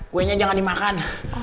kuenya jangan dimakan